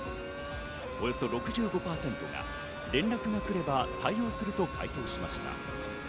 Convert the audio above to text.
およそ６５％が連絡が来れば対応すると回答しました。